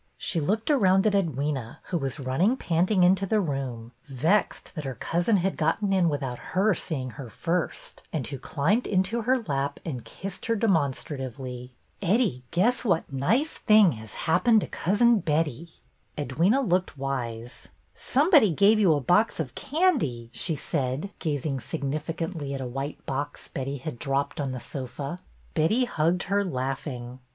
She looked around at Edwyna, who was run ning, panting, into the room, vexed that her BETTY'S CLIENT 301 cousin had gotten in without her seeing her first, and who climbed into her lap and kissed her demonstratively. Eddie, guess what nice thing has happened to Cousin Betty?'' Edwyna looked wise. Somebody gave you a box of candy," she said, gazing significantly at a white box Betty had dropped on the sofa. Betty hugged her, laughing.